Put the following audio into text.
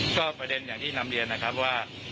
ก็ประเด็นอย่างที่นำเรียนนะครับว่า